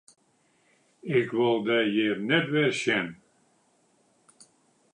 Ik wol dy hjir net wer sjen!